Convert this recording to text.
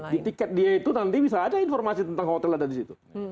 di tiket dia itu nanti bisa ada informasi tentang hotel ada di situ